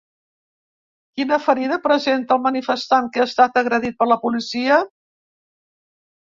Quina ferida presenta el manifestant que ha estat agredit per la policia?